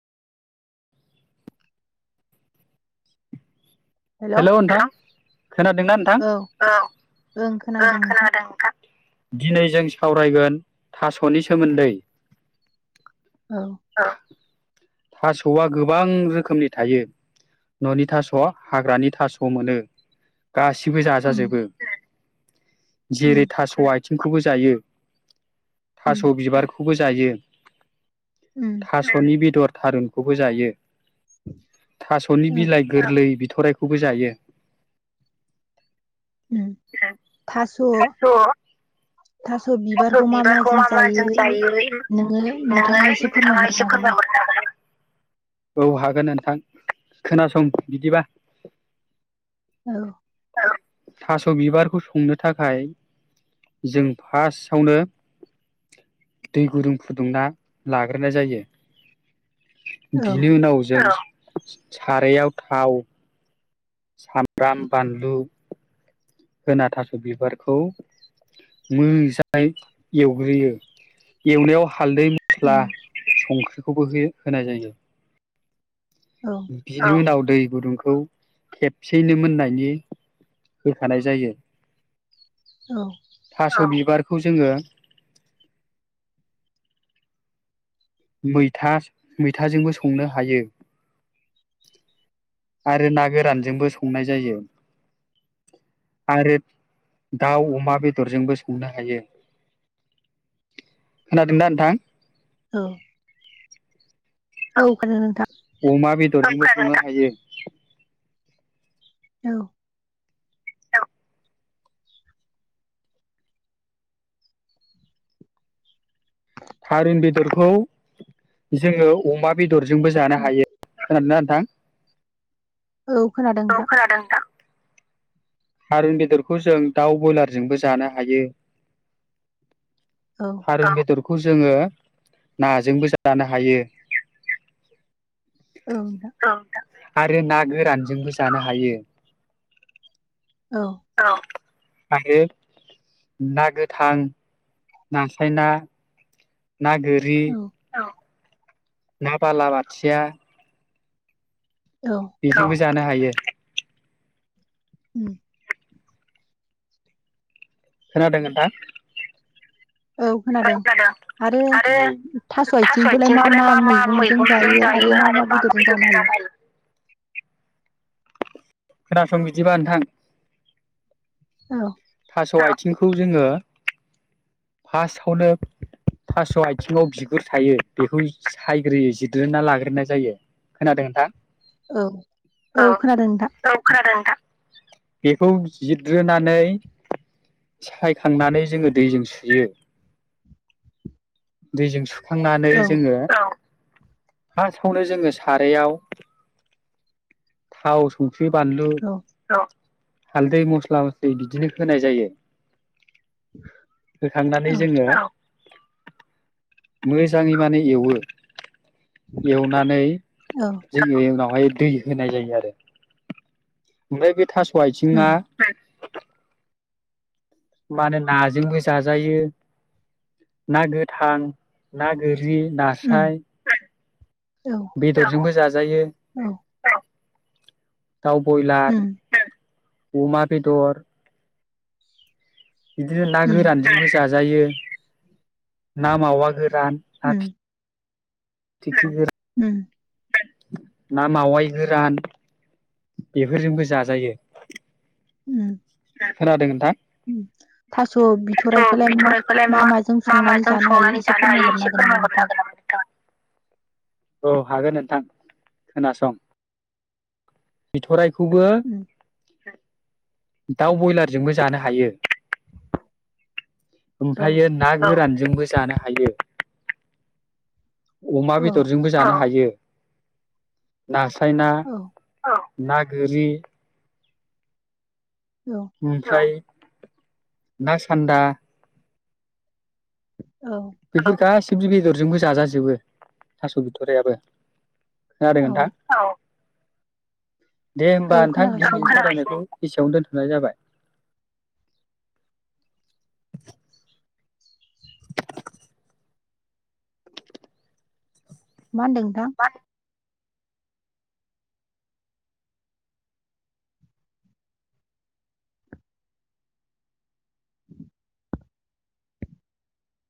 Hello नोंथां खोनादोंना नोंथां? औ ओं खोनादों नोंथां। दिनै जों सावरायगोन थास'नि सोमोन्दै। औ। थास'आ गोबां रोखोमनि थायो न'नि थास'आ हाग्रानि थास' मोनो। गासिबो उम जाजाजोबो। उम जेरै थास' आथिं बेखौबो जायो। उम थास' बिबारखौ खौबो जायो। उम थास'नि बेदर। थारुनखौबो जायो। थास'नि औ बिलाइ गोरलै बिदि थरायखौबो जायो। उम थास' थास' बिबारखौ मा मााजों जायो नोङो नोंथाङा एसे नोंथाङा एसे फोरमायहरनो हागोन नामा? फोरमायहरनो हागोन औ हागोन नोंथां खोनासं बिदिबा। औ। थास' बिबारखौ संनो थाखाय जों फार्स्टआवनो दै गुदुं फुदुंना लाग्रोनाय जायो। औ बिनि उनाव‌ जों सारायाव थाउ सामब्राम, बानलु होना थास' बिबारखौ मोजाङै एवग्रोयो एवनायाव हालदै, मस्ला, उम संख्रि खौबो होनाय जायो औ बिनि उनाव दै गुदुंखौ खेबसेयैनो मोननायनि होखानाय जायो औ थास' बिबार खौ जोङो मैथा मैथाजोंबो संनो हायो आरो ना गोरानजोंबो संनाय जायो आरो दाउ अमा बेदरजोंबो संनो हायो खोनादों दा नोंथां औ औ खोनादों नोंथा अमा बेदरजोंबो सनो हायो। औ थारुन बेदरखौ जोङो अमा बेद बेदरजोंबो जानो हायो खोनादोना? थां औ खोनादों नोंथां थारुन बेदरखौ जों दाउ ब्रयलारजोंबो जानो हायो औ थारुन बेदर खौ जोङो नाजोंबो जानो हायो औ दा आरो ना गोरानजोंबो जानो हायो औ आरो ना गोथां नास्राय ना ना गोरि औ ना बाला बाथिया औ बिनाबो जानो हायो। उम। खोनादों नोथां? औ खोनादों आरो थास' आथिंखौलाय मा मा मैगंजों जायो आरो मा मा बेदरजों जानो हायो? खोनासं बिदिबा नोंथां औ। थास' आथिंखौ जोङो फार्स्टआवनो थास' आथिङाव बिगुर थायो बेखौ सायग्रोयो जिरग्रोना लाग्रोनाय जायो। खोनादों नोंथां? औ खोनादों नोंथां औ खोनादों नोंथां। बेखौ जिदग्रोनानै सायखांनानै जोङो दैजों सुयो दैजों सु खांनानै औ जोङो फासवानो जोङो सारायाव थाव सं ख्रि बानलु औ हालदै मस्ला मस्लि बिदिनो होनाय जायो। होखांनानै जोङो औ मोजाङै माने एवो। एवनानै औ जोंङो उनावहाय दै होनाय जायो आरो ओमफाय बे थास' आयथिङा उम मानो नाजोंबो जाजायो ना गोथां ना गो रि, उम नास्राय, औ बेदरजोंबो जाजायो। औ दाव बयलार उम ओं उमा बेदर बिदिनो ना उम गोरानजोंबो जा जायो ना मावा गोरान ना फि थिग [unintelligible] ओम। ना मावाय गोरान, बेफोरजोंबो जाजायो। उम। खोनादों नोंथां? थास' स' बिथ'राइखौलाय मा बिथ'राइखौलाय मा माजों मा संनानै माजों जानो हायो संनानै एसे जानो हायो फोरमायहरनो एसे हागोन नामा फोरमायहरनो नोंथाङा? हागोन नामा नोंथाङा औ हागोन नोंथां खोनासं बिथ'राइ खौबो उम दाउ बयलारजोंबो जानो हायो। औ ओमफ्रायो ना औ गोरानजोंबो जानो हायो। हायो। अमा औ बेदरजोंबो जानो हायो। नास सायना औ ना गोरि औ ओमफ्राय ना सान्दा औ बेफोर गासै थिब बेदरजोंबो जाजाजोबो थास' बिथ'राबो खोनादों औ नोंथां? दे होमबा औ नोंथां खोनागासिनो नोंथां [unintelligible] एसेयावनो दोन्थ'नाय जाबाय। [unintelligible] मा होनदों नोंथां? मा